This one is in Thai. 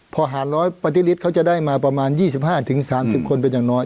พอหาร๑๐๐ปฏิลิตเขาจะได้มาประมาณ๒๕๓๐คนเป็นอย่างน้อย